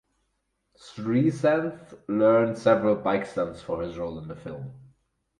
Sreesanth learned several bike stunts for his role in the film.